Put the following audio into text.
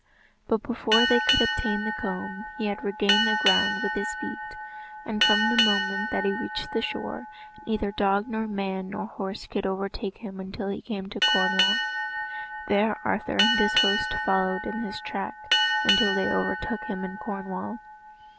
But, before they could obtain the comb, he had regained the ground with his feet, and from the moment that he reached the shore, neither dog nor man nor horse could overtake him until he came to Cornwall. There Arthur and his host followed in his track until they overtook him in Cornwall.